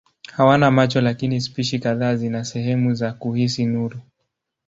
Hawana macho lakini spishi kadhaa zina sehemu za kuhisi nuru.